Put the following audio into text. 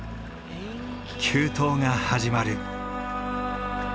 急登が始まる。